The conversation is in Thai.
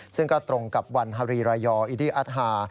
ซึ่งก็ตรงกับวันฮารีรายอร์อิดี้อัสฮา